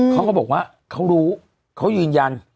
เขาก็บอกว่าเขารู้เขายืนยัน